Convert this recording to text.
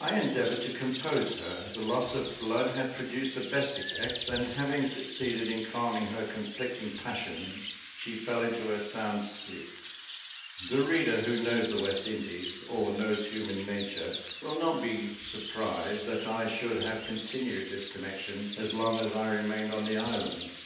I endeavoured to compose her; the loss of blood had produced the best effects; and, having succeeded in calming her conflicting passions, she fell into a sound sleep. The reader who knows the West Indies, or knows human nature, will not be surprised that I should have continued this connection as long as I remained on the island.